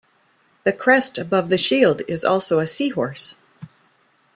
The crest above the shield is also a sea-horse.